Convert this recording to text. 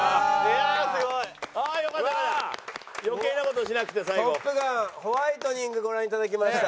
「トップガンホワイトニング」ご覧いただきました。